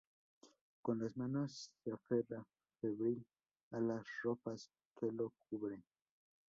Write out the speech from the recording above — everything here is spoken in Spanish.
Con las manos se aferra febril a las ropas que lo cubren.